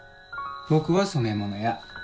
僕は染め物屋。